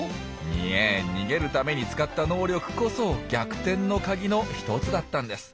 いえ逃げるために使った能力こそ逆転のカギの１つだったんです。